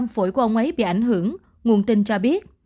năm mươi bảy mươi năm phổi của ông ấy bị ảnh hưởng nguồn tin cho biết